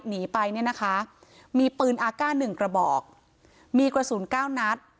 หนีไปเนี่ยนะคะมีปืนอากาศหนึ่งกระบอกมีกระสุนเก้านัด